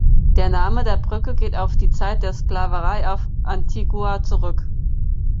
Der Name der Brücke geht auf die Zeit der Sklaverei auf Antigua zurück.